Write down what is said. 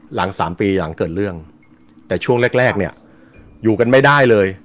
หลังสามปีหลังเกิดเรื่องแต่ช่วงแรกแรกเนี่ยอยู่กันไม่ได้เลย